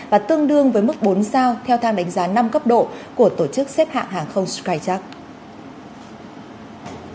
và tương đương với mức bốn sao theo thang đánh giá năm cấp độ của tổ chức xếp hạng hàng không skytrak